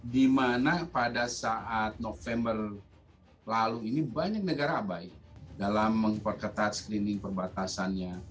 di mana pada saat november lalu ini banyak negara abai dalam memperketat screening perbatasannya